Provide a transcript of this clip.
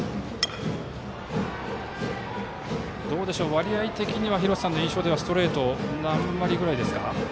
割合的には廣瀬さんの印象ではストレートは何割ぐらいですか？